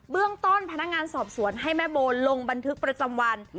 เรื่องต้นพนักงานสอบสวนให้แม่โบลงบันทึกประจำวัน